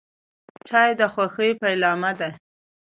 چای د خوښۍ پیلامه ده.